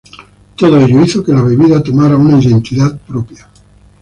Todo ello hizo que la bebida tomara una identidad propia.